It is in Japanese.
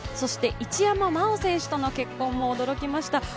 一山麻緒選手との結婚も驚きました。